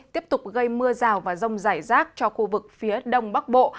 tiếp tục gây mưa rào và rông rải rác cho khu vực phía đông bắc bộ